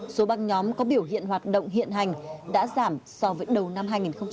số băng nhóm có biểu hiện hoạt động hiện hành đã giảm so với đầu năm hai nghìn một mươi chín